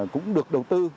cũng được đầu tư